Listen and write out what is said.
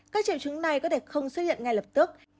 các triệu chứng này có thể không xuất hiện ngay lập tức